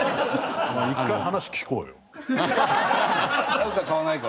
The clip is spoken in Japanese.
買うか買わないか？